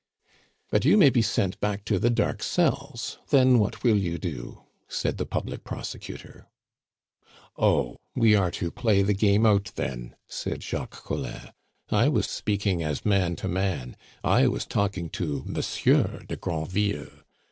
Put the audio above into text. "But you may be sent back to the dark cells: then, what will you do?" said the public prosecutor. "Oh! we are to play the game out then!" said Jacques Collin. "I was speaking as man to man I was talking to Monsieur de Granville.